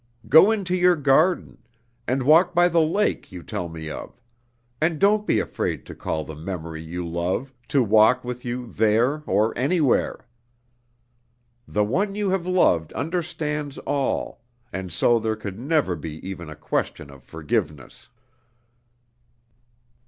Go into your garden, and walk by the lake you tell me of, and don't be afraid to call the Memory you love to walk with you there or anywhere. The one you have loved understands all, and so there could never be even a question of forgiveness."